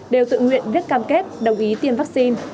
đều tự nguyện viết cam kết đồng ý tiêm vắc xin